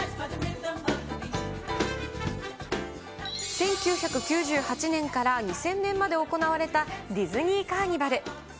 １９９８年から２０００年まで行われたディズニー・カーニバル。